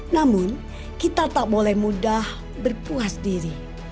namun kita tak boleh mudah berpuas diri